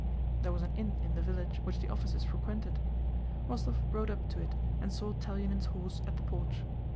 There was an inn in the village which the officers frequented. Rostóv rode up to it and saw Telyánin's horse at the porch.